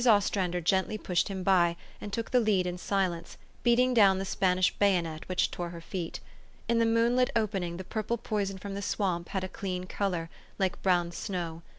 Os trander gently pushed him by, and took the lead in silence, beating down the Spanish bayonet which tore her feet. In the moonlit opening the purple poison from the swamp had a clean color, like blown snow.